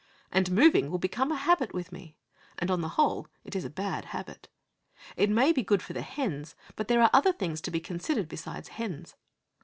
And moving will become a habit with me. And, on the whole, it is a bad habit. It may be good for the hens; but there are other things to be considered besides hens.